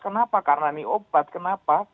kenapa karena ini obat kenapa